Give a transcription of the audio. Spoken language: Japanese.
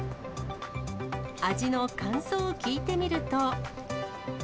味の感想を聞いてみると。